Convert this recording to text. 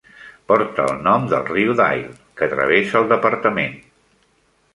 Porta el nom del riu Dyle, que travessa el departament.